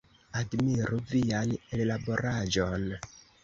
Admiru vian ellaboraĵon!